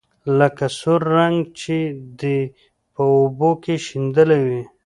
لکه سور رنګ چې دې په اوبو کې شېندلى وي.